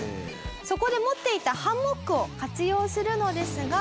そこで持っていたハンモックを活用するのですが。